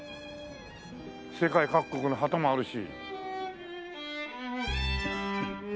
世界各国の旗もあるし。